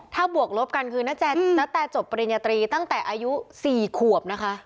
แต่จบปริญญาตรีตั้งแต่อายุ๔ขวบนะคะ